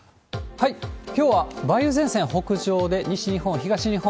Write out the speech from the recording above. きょうは梅雨前線北上で、西日本、東日本、